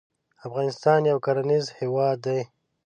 افغانستان یو کرنیز هیواد دی